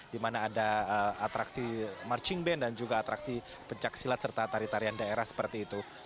dimana ada atraksi marching band dan juga atraksi pencak silat serta tari tarian daerah seperti itu